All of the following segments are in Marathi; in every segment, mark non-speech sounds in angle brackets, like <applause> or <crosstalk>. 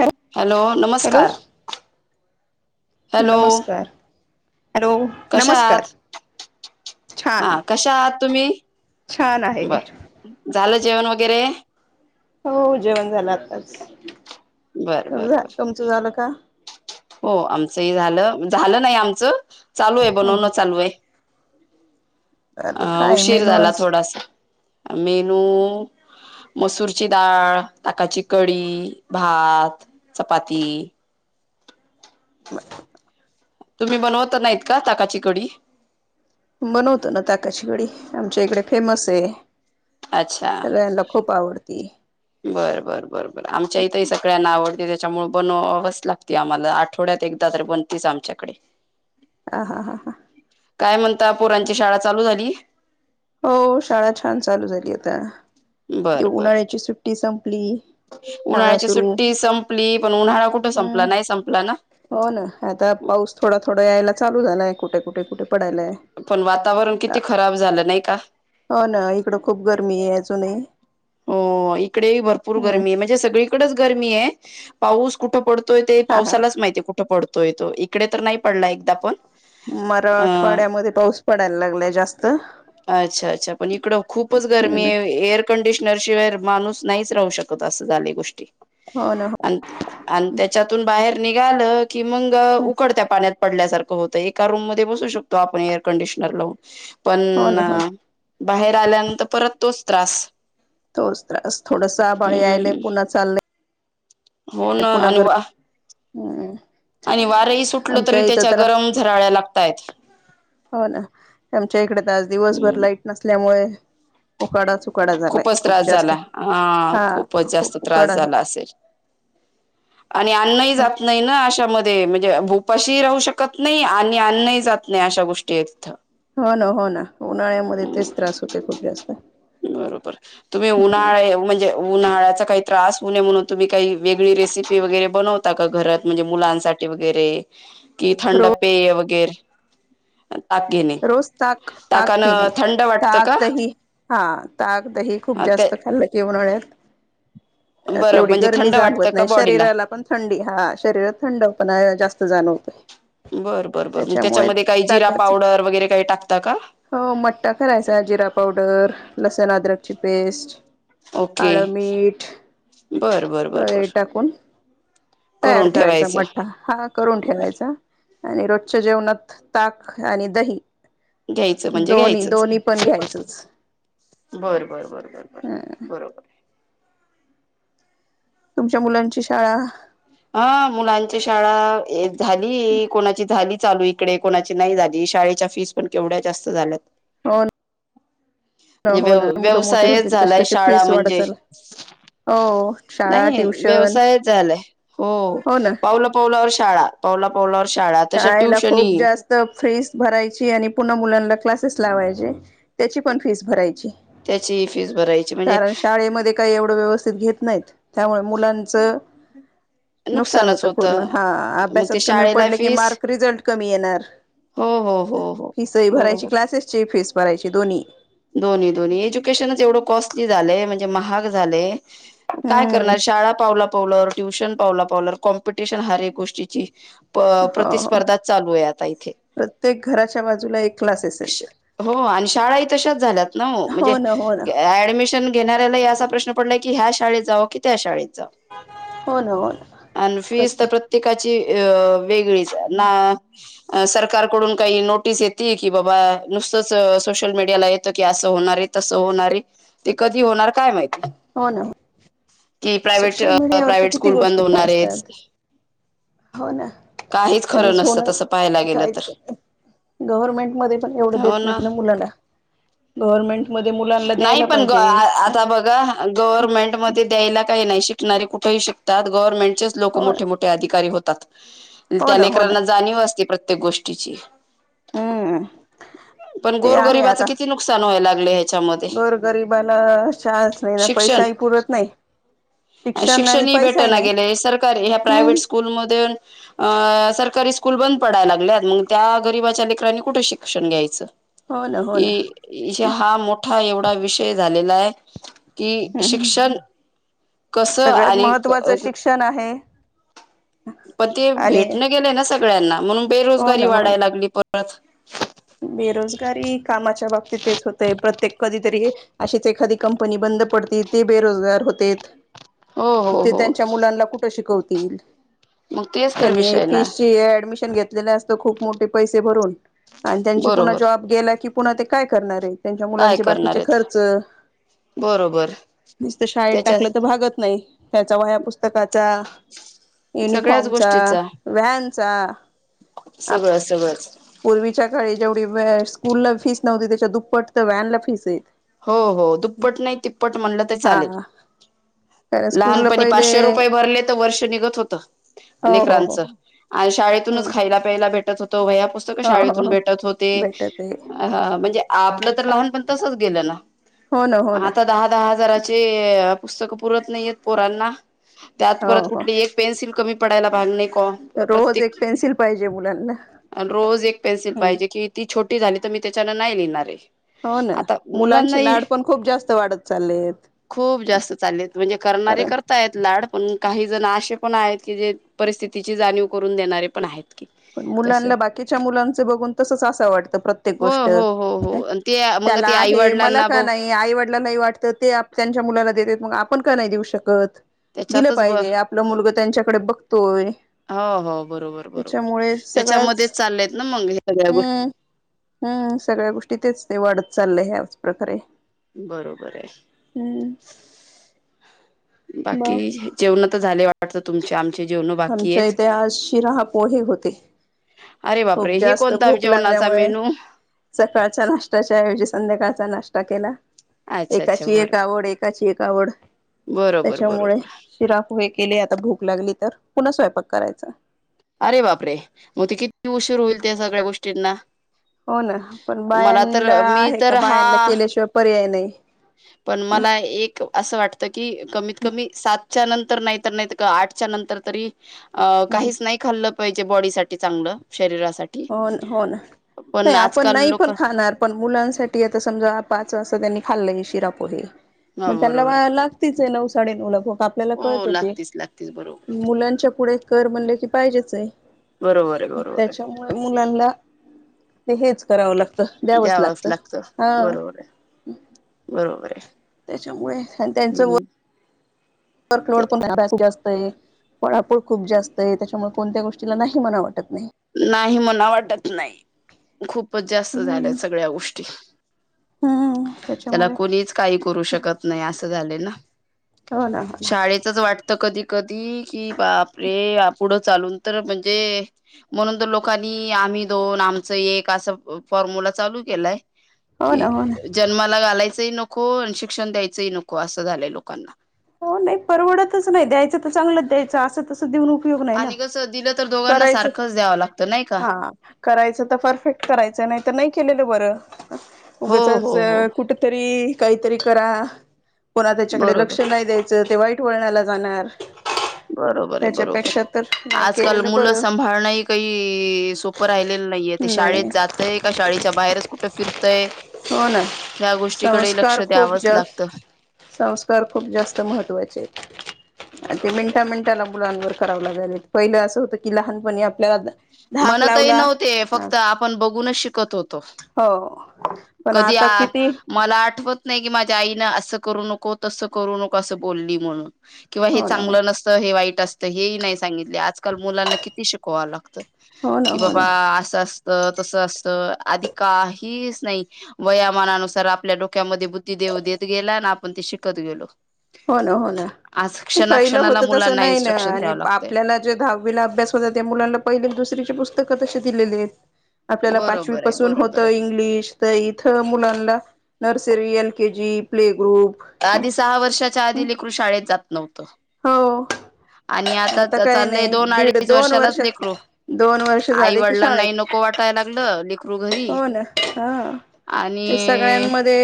हॅ हॅलो हॅलो नमस्कार. हॅलो नमस्कार हॅलो. कशा नमस्कार आहात, छान हा कशा आहात तुम्ही? छान आहे बर. झालं जेवण वगैरे? हो जेवण झाल आताच, बर बर बर तुमचं झालं का? हो आमच ही झाल, झाल नाही आमचं चालू आहे ह ह बनवण चालू आहे. आता अं काय उशीर मेनू झाला आज थोडासा मेनू मसूरची डाळ, ताकाची कडी, भात, चपाती ब <inaudible> तुम्ही बनवत नाहीत का ताकाची कडी? बनवतो ना ताकाची गडी आमच्या इकडे फेमस आहे. सगळ्यांला खूप आवडती. बर, बर, बर, बर आमच्या इथंही सगळ्यांना आवडते त्याच्यामुळे बनवावस लाग ती आम्हाला आठवड्यात एकदा तर बनतीस आमच्याकडे. हा हा हा हा. काय म्हणता पोरांची शाळा चालू झाली? हो शाळा छान चालू झाली होता ते बर बर उन्हाळ्याची सुट्टी संपली. शाळा उन्हाळ्याची सुरू सुट्टी संपली पण उन्हाळा कुठे हम्म संपला नाही संपला ना? हो ना आता पाऊस थोडा, थोडा यायला चालू झालाय कुठे, कुठे, कुठे पडायलाय. पण वातावरण किती खराब झालं नाही का? हो ना इकडं खूप गरमी आहे अजूनही. हो इकडे भरपूर हम्म गरमी आहे म्हणजे सगळीकडेच गरमी आहे. पाऊस कुठं पडतोय ते हा हा पावसालाच माहिती कुठं पडतोय तो इकडे तर नाही पडला एकदा पण मराठ अ आठवाड्यामध्ये पाऊस पडायला लागलाय जास्त. अच्छा, अच्छा पण इकडं खूपच गरमी हम्म आहे एअर कंडिशनर शिवाय माणूस नाहीच राहू शकत अस झाली गोष्टी हो ना हो. आन, आन त्याच्यातून बाहेर निघालं की मग हो उकडत्या पाण्यात पडल्यासारखं होत एका रूम म बसू शकतो आपण एअर कंडिशनर लावून पण हो ना हो ना बाहेर आल्यानंतर परत तोच त्रास. तोच त्रास थोडस आबाळ आयले हम्म पुन्हा चालय हो ना त्यात पुन्हा आणि वा गरम आणि वारही सुटलं तरी त्याच्या गरम झराळ्या लागत्यात. हो ना आमच्या इकडे तर आज दिवसभर हम्म लाईट नसल्यामुळे उकाडच, उकाडा. झालाय खूपच खूप त्रास जास्त झाला हा खूपच जास्त खूप त्रास उकाडा झाला असेल. आणि आणन्नही जात नाही ना अशामध्ये म्हणजे भूपाशी राहू शकत नाही आणि अन्नही जात नाही अशा गोष्टी आहे तिथं. हो ना हो ना उन्हाळ्यामध्ये तेच त्रास होते खूप जास्त. बरोबर तुम्ही हम्म उन्हाळे म्हणजे उन्हाळ्याचा काही त्रास होवु नये म्हणून तुम्ही काही वेगळी रेसिपी वगैरे बनवता का घरात म्हणजे मुलांसाठी? वगैरे कि थंड रोज पेय वगैरे ताक घेणे रोज ताक, ताक ताकानं पिणे थंड वाटतं ताक, का दही हा हा ताक दही खूप ते जास्त खाल्लं की उन्हाळ्यात बरं तेवढी म्हणजे गर्मी थंड वाटतं जाणवत का नाही बॉडीला शरीराला पण थंडी हा शरीरात थंड पण जास्त जाणवतोय. बर, बर, बर मग त्याच्यामध्ये काही जिरा ताकाच पावडर वगैरे काही टाकता का? हो मट्टा करायचा जिरा पावडर, लसण, अद्रकची पेस्ट ओके काळं मीठ बर बर बर बर वगैरे टाकून तयार करून करायचा ठेवायचं मठ्ठा हा करून ठेवायचा. बर आणि रोजच्या जेवणात ताक आणि दही. घ्यायचं म्हणजे दोन्ही, घ्यायचंच दोन्ही पण घ्यायचच. बर बर बर बर बर बरोबर. तुमच्या मुलांची शाळा? हा मुलांची शाळा झाली कोणाची झाली चालू इकडे कोणाची नाही झाली शाळेच्या फीस पण केवढ्या जास्त झाल्यात. हो ना म्हणजे हो व्यव ना मुलं मोठीे व्यवसायच होतील तशी, झालाय तशी शाळा फीस वाढत म्हणजे चालली. हो शाळा, नाही ट्युशन व्यवसायच झालाय हो पावल, पावलावर शाळा, पावला, पावलावर शाळा, तसच शाळेला खूप ट्युशनही. जास्त फीस भरायची आणि पून्हा मुलांना क्लासेस लावायचे. त्याची पण फीस भरायची त्याची फीस भरायची म्हणजे कारण शाळेमध्ये काही एवढं व्यवस्थित घेत नाहीत त्यामुळे मुलांच नुकसान होतं पूर्ण हा मग अभ्यासात ते कमी शाळेला पडले की फीस मार्क रिझल्ट कमी येणार, हो हो हो हो फि सही भरायची बरोबर क्लासेस- ची फीस भरायची दोन्ही. दोन्ही, दोन्ही एज्युकेशनच एवढं कॉस्टली झालंय म्हणजे, महाग झालेय. काय हम्म करणार शाळा पावला, पावलवर- ट्युशन पावला, पावलावर कॉम्पिटिशन हर एक गोष्टीची. प.. हो हो प्रतिस्पर्धा चालू आहे आता इथे. प्रत्येक घराच्या बाजूला एक क्लासेस आहेत. हो आणि शाळाही तशाच झाल्यात ना, म्हणजे हो ना हो ना ऍडमिशन घेणाऱ्याला- याचा प्रश्न पडला की, ह्या शाळेत जाव, की त्या शाळेत जाव, हो ना हो ना आन फीस तर प्रत्येक- प्रत्येकाची वेगळीच आहे. ना- अ सरकारकडून काही नोटीस यतील की, बाबा नुसतंच सोशल मीडि- याला येत की, असं होणारे तसं होणारे ते कधी होणार काय माहित? हो ना हो. कि प्रायव्हेट, सोशल मीडियावरच्या प्रायव्हेट किती स्कूल बंद गोष्टी काय होणारे आहेत. असतात हो ना, काहीच कधी खरं नसतं तसं पाहायला <unintelligible> गेलं काहीच तर करणार. गव्हर्नमेंट मध्ये पण एवढं देत नाहीत ना मुलाला, गव्हर्नमेंट- मध्ये मुलांनला द्यायला पाहिजे. गव्हर्नमेंटमध्ये द्यायला काही नाही शिकणारे कुठेही शिकतात, गव्हर्नमेंट- चेच हो मोठे, मोठे अधिकारी होतात, हो त्या ना हो ना लेकराला जाणीव असते प्रत्येक गोष्ट- ष्टिची, हम्म पण ते गोरगरीबाच किती नुकसान व्हाय लागलय. गोर गरीबाला शाळाच नाही, पैसाही पुरत नाही. शिक्षण ही भेटना की नाही, सरकारी ह्या हम्म प्रायव्हेट स्कूलमध्ये- अ सरकारी स्कूल बंद पडायला लागल्यात, मग त्या गरिबाच्या लेकरांनी कुठे शिक्षण घ्यायचं? हो ना हो ना ये, ये हा मोठा एवढा विषय झालेला आहे, - कि, हम् शिक्षण कस सगळ्यात महत्त्वाचं आणि- शिक्षण आहे पण ते आणि भेटल गेलय ना सगळ्यांना, म्हणून हो बेरोजगारी ना हो ना वाढायला लागली परत. बेरोजगारी कामाच्या बाबतीतच तेच होतय प्रत्येक कधीतरी- अशीच एखादी कंपनी बंद पडती, ते बेरोजगार होतेत. हो हो ते हो त्यांच्या मुलानला कुठं शिकवतील? मग तेच तर त्यांनी विषय ना फीसची ऍडमिशन घेतलेलं असतं, खूप मोठे पैसे भरून- आणि त्यांची पुन्हा बरोबर जॉब गेला की पुन्हा ते काय करणार आहे त्यांच्या काय मुलांचे करणार बाकीचे आहेत खर्च- बरोबर नुसत शाळेत त्याच्या टाकलं तर भागत नाही, त्याचा वह्या पुस्तकाचा- सगळ्याच युनिफॉर्मचा, गोष्टीचा व्हॅनचा- आप सगळं, सगळंच. पूर्वीच्या काळी जेवढी स्कूल ला फीस नव्हती, त्याच्या दुप्पट तर व्हॅनला फीसये. हो, हो दुप्पट नाही, तिप्पट म्हणलं तर चालेल. हा कारण स्कूलला लहानपणी पहिले पाचशे रुपये भरले तर वर्ष निघत होत. हो हो हो लेकरांचं आणि शाळेतूनच हम्म खायला प्यायला भेटत होत. वह्या, पुस्तक हो हो शाळेतून हो भेटत होते, भेटत आहे म्हणजे आपलं तर लहानपण तस- गेलेल. हो ना, हो ना. दहा, दहा हजाराचे पुस्तक पुरत नाहीयेत पोरांना, त्यात परत हो हो कुठली एक- पेन्सिल कमी पडायला भागणे को. रोज एक पेन्सिल पाहिजे. बोलाल ना. अन, रोज एक पेन्सिल पाहिजे की, ती छोटी झाली तर मी त्याच्यान नाही लिहिणार आहे. हो ना. मुलांना मुलांचे ही लाड पण खूप जास्त वाढत चाललेत खूप जास्त चाललेत म्हणजे करणारे कारण कर करता येत लाड पण काही जण अशे पण आहेत की जे परिस्थितीची जाणीव करून देणारे पण आहेत की. तस मुलांना बाकीच्या मुलांच बघून तसच असं वाटतं प्रत्येक गोष्ट. त्या मंग आय हे मला का नाही आईवडला नाही वाटतं ते त्यांच्या मुलाला देतेत मग आपण का नाही देऊ शकत. दिलं त्याच्यातच ब पाहिजे आपलं मुलग त्यांच्याकडे बघतोय. हो हो बरोबर बरोबर त्याच्यामुळे सगळंच त्याच्यामध्येच चाललेय आहेत ना मग हे सगळ्या गोष्टी हम्म हम्म सगळ्या गोष्टी तेच ते वाढत चाललंय ह्याच प्रकारे. बरोबर आहे. हम्म. बाकी ब जेवण तर झाले वाटतं तुमच्या आम आमच्या इथे आज शिराहा पोहे होते. अरे खूप बापरे हे जास्त कोणता खूक जेवणाचा लागल्यामुळे मेनू सकाळच्या नाशष्टत्याच्या ऐवजी संध्याकाळचा नाश्ता केला. अच्छा अच्छा एकाची एक बरं आवड एकाची एक आवड बरोबर त्याच्यामुळे बरोबर उशिरा पोहे केले आता भूक लागली तर पुन्हा स्वयंपक करायचा. अरे बापरे मग ते किती उशीर होईल त्या सगळ्या गोष्टींना. हो ना पण मला तर बायांला मी आहे का तर बायांला हा केल्याशिवाय पर्याय नाही. पण मला एक असं वाटत की कमीत कमी सातच्या नंतर नाही नाहीत का आठच्या नंतर तरी अ काहीच नाही खाल्लं पाहिजे बॉडी साठी चांगलं शरीरासाठी होन हो ना पण नाही आपण आजकाल नाही लोक पण खाणार पण मुलांसाठी आता समजा पाच वाजता त्यांनी खाल्लं शिरा पोहे हा मग त्यांना बरोबर वाळाला लागतेच नऊ-साडेनऊ भूक आपल्याला कळत हो होती. लागतीच लागतीच बरोबर मुलांच्या पुढे कर म्हणले की पाहिजेच आहे. बरोबर आहे बरोबर आहे. त्याच्यामुळे मुलांना ते हेच करावं लागतं. द्यावच लागतं हा बरोबर आहे बरोबर आहे. त्याच्यामुळे आणि त्यांच व हं, ते वर्कलोड <inaudible> अभ्यास जास्त आहे. पळापळ खूप जास्त आहे त्याच्यामुळे कोणत्या गोष्टीला नाही म्हणा वाटत नाही. नाही म्हणा वाटत नाही खूपच जास्त झाल्या हम्म सगळ्या गोष्टी. हम्म त्याला त्याच्यामुळे कुणीच काही करू शकत नाही असं झाले ना. हो ना हो ना शाळेत असच वाटत कधी कधी की बापरे अ पुुढं चालून तर म्हणजे म्हणून तर लोकांनी आम्ही दोन आमच एक असं फॉर्म्यला चालू केलाय. हो ना कि हो ना. जन्माला घालायचंही नको आणि शिक्षण द्यायचंही नको असं झालंय लोकांना. हो नाही परवडतच नाही द्यायचं तर चांगलंच द्यायचं असं तस देऊन उपयोग नाही ना आणि कसं दिलं तर दोघांना करायच सारखंच द्यावं लागतं नाही का हा करायच तर परफेक्ट करायचं नाही तर नाही केलेलं बरं हो उगाचच हो हो कुठ तरी काहीतरी करा पुन्हा त्यांच्याकडे बरोबर नाही द्यायच ते वाईट वळणाला जाणार. बरोबर ये बरोबर. त्याच्यापेक्षा तर नाही आजकाल केलेलं मुलं बरं सांभाळणंही काही सोपं राहिलेलं नाहीये ते नाही शाळेत नाही. जात तय का शाळेच्या बाहेरच कुठं फिरतंय. हो ना या गोष्टीकडे लक्ष संस्कार खूप द्यावंच जास्त लागतं. संस्कार खूप जास्त महत्वाचे आहेत. आणि ते मिंट बरोबर मिंटा मिनंटाला मुलांवर कराव लागायलय पहिलं असं होतं. की लहानपणी आपल्याला धाक मणतही लावला नव्हते ह फक्त आपण बघूनच शिकत होतो. हो. पण कधी आता आ किती मला आठवत नाही की माझ्या आईनं असं करू नको तसं करू नको असं बोलली म्हणून किंवा हे हो ना चांगलं नसतं हे वाईट असतं. हेही नाही सांगितले आजकाल मुलांना किती शिकवाव लागतं. हो ना कि हो बाबा ना असं असत तसं असत आधी काहीच नाही. वयामानानुसार आपल्या डोक्यामध्ये बुद्धीदेव देत गेला आणि आपण ते शिकत गेलो. हो ना. हो ना. आज पहिलं क्षणाक्षणाला होत तसं मुलांना नाही ना इन्स्ट्रक्शन आणि द्यावं लागतंय आपल्याना जे दहावीला अभ्यास होत त्या मुलांना पहिले दुसरीची पुस्तक तशी दिलेली आहेत. आपल्याला बरोबर आहे पाचवीपासून बरोबर होतं आहे इंग्लिश तर इथं मुलांना nursery, L K G, play group आधी सहा वर्षाच्या आधी लेकरू शाळेत जात नव्हतं. हो. आणि आता काही चाललंय नाही दोन दीड अडीच -दोन वर्षालाच वर्ष लेकरू -दोन वर्ष झाले की शाळेत. को वाटाय लागल लेक हो ना! हा. ते आणि सगळ्यांमध्ये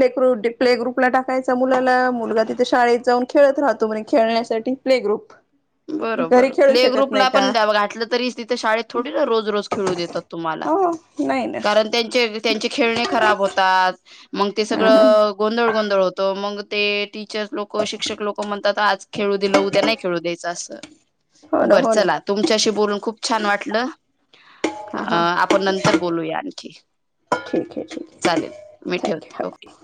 लेकरू प्ले ग्रुपला टाकायचा मुलाला. मुलगा तिथे शाळेत जाऊन खेळत राहतो. म्हणे खेळण्यासाठी टी प्ले ग्रुप घरी बरोबर खेळू प्ले शकत ग्रुपला नाही का आपण ड ब घाटलं तरी तिथे शाळेत थोडी ना रोज - रोज खेळू देतात. तुम्हाला. हो नाही ना कारण त्यां चे -त्यांचे खेळणे खराब होतात मग ते हम्म हम्म सगळं गोंधळ गोंधळ होत. त मग ते टीचर्स लोक शिक्षक लोक म्हणतात आज खेळू दिलं उद्या नाही खेळू द्याय च अस हो ना बर हो ना चला तुमच्याशी बोलून खूप छान वाटलं. हा हा अं आपण नंतर बोलूया आणखी ठीक आहे ठीक आहे चालेल मी ठेवते थँक्यू ओके.